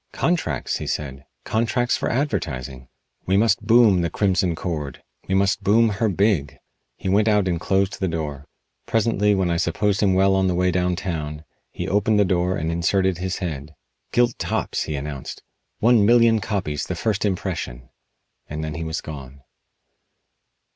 "Contracts!" he said. "Contracts for advertising! We must boom 'The Crimson Cord.' We must boom her big!" He went out and closed the door. Presently, when I supposed him well on the way down town, he opened the door and inserted his head. "Gilt tops," he announced. "One million copies the first impression!" And then he was gone.